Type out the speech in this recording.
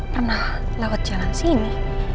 pernah lewat jalan sini